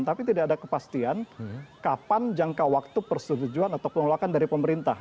tapi tidak ada kepastian kapan jangka waktu persetujuan atau penolakan dari pemerintah